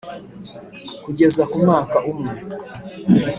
kugeza ku mwaka umwe